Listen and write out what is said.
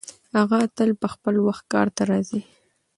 هغه تل په خپل وخت کار ته راځي.